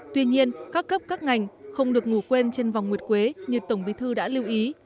tuy nhiên các cấp các ngành không được ngủ quên trên vòng nguyệt quế như tổng bí thư đã lưu ý